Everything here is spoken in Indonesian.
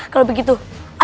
ayo kita pergi ke rumahnya